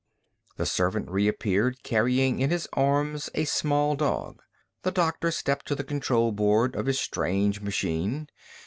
The servant reappeared, carrying in his arms a small dog. The doctor stepped to the control board of his strange machine.